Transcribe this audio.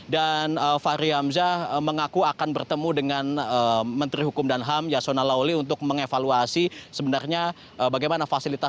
dan fahri hamzah mengaku akan bertemu dengan menteri hukum dan ham yasona lawli untuk mengevaluasi sebenarnya bagaimana fasilitas